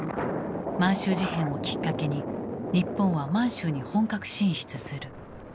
満州事変をきっかけに日本は満州に本格進出する。